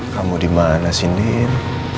kamu dimana sih nien